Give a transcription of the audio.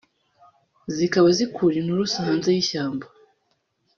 zikaba zikura inturusu hanze y’ishyamba